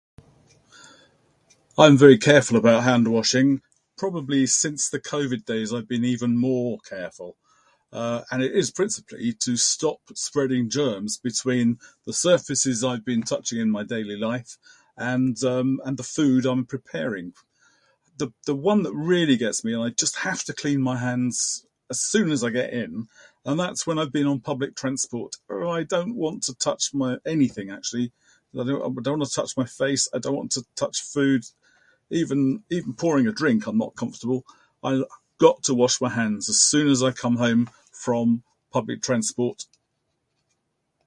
I'm very careful about handwashing. Probably since the COVID days I've been even more careful. Uh, and it is principally to stop spreading germs between the surfaces I've been touching in my daily life and, um, and the food I'm preparing. The the one that really gets me, and I just have to clean my hands as soon as I get is in, and that's when I've been on public transport where I don't want to touch my- anything actually. I don't I don't wanna touch my face, I don't want to touch food, even even pouring a drink I'm not comfortable. I've got to wash my hands as soon as I come home from public transport.